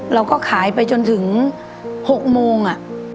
เราก็ขายไปจนถึง๖โมง